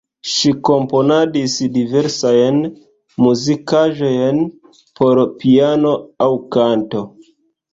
Ŝi komponadis diversajn muzikaĵojn por piano aŭ kanto.